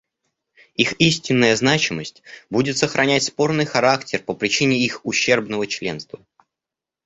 Их истинная значимость будет сохранять спорный характер по причине их ущербного членства.